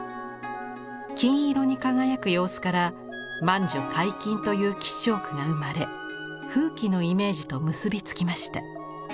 金色に輝く様子から満樹皆金という吉祥句が生まれ富貴のイメージと結び付きました。